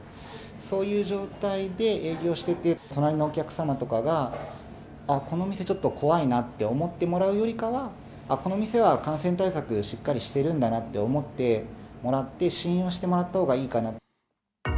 そういう状態で営業してて、隣のお客様とかが、あっ、この店、ちょっと怖いなって思ってもらうよりかは、あっ、この店は感染対策しっかりしてるんだなと思ってもらって、信用してもらったほうがいいかなって。